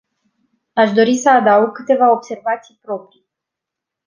Aș dori să adaug câteva observații proprii.